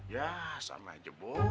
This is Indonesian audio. ya sama aja bu